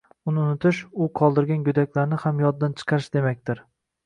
Uni unutish— u qoldirgan go'daklarni ham yoddan chiqarish demakdir.